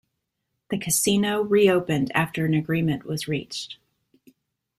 The casino re-opened after an agreement was reached.